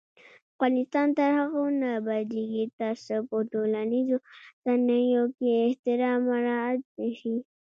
افغانستان تر هغو نه ابادیږي، ترڅو په ټولنیزو رسنیو کې احترام مراعت نشي.